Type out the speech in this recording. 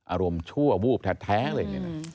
อารมณ์ชั่ววูบแท้เลย